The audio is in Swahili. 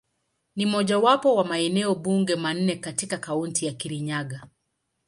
Ni mojawapo wa maeneo bunge manne katika Kaunti ya Kirinyaga.